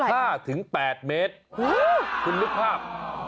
คุณรึความ